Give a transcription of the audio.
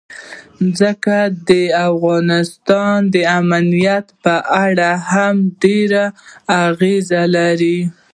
ځمکه د افغانستان د امنیت په اړه هم ډېر اغېز لري.